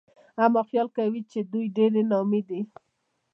اما خيال کوي چې دوی ډېرې نامي دي